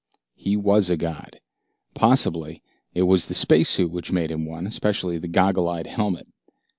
He was a god. Possibly it was the space suit which made him one, especially the goggle eyed helmet.